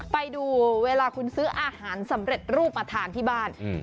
ไปดูเวลาคุณซื้ออาหารสำเร็จรูปมาทานที่บ้าน